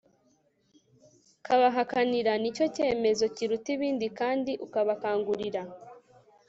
kubahakanira. ni cyo kemezo kiruta ibindi, kandi ukabakangurira